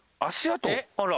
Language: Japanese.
あら。